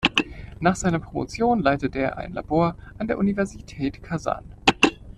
Nach seiner Promotion leitete er ein Labor an der Universität Kasan.